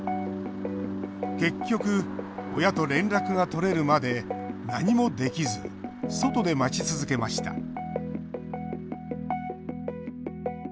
結局、親と連絡がとれるまで何もできず外で待ち続けました